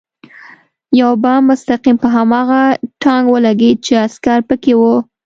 یو بم مستقیم په هماغه ټانک ولګېد چې عسکر پکې و